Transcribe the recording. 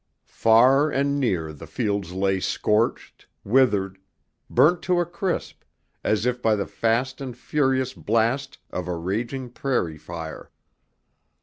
Far and near the fields lay scorched, withered, burnt to a crisp as if by the fast and furious blast of a raging prairie fire.